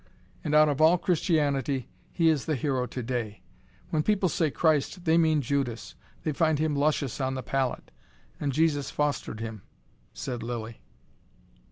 And out of all Christianity he is the hero today. When people say Christ they mean Judas. They find him luscious on the palate. And Jesus fostered him " said Lilly.